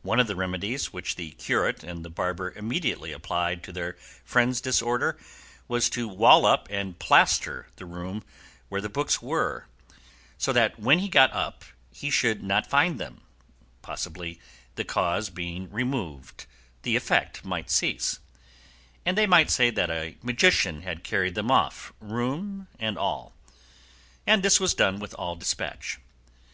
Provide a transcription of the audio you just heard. One of the remedies which the curate and the barber immediately applied to their friend's disorder was to wall up and plaster the room where the books were, so that when he got up he should not find them (possibly the cause being removed the effect might cease), and they might say that a magician had carried them off, room and all; and this was done with all despatch.